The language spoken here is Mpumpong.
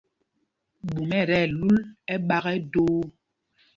Ɓûm ɛ tí ɛlúl ɛ́ɓāk ɛ ndəə.